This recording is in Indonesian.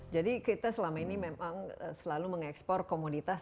jadi kita selama ini memang selalu mengekspor komoditas